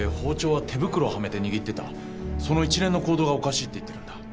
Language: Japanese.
その一連の行動がおかしいって言ってるんだ。